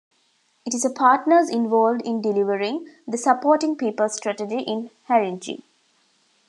It is a partners involved in delivering the Supporting People strategy in Haringey.